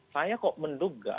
saya kok menduga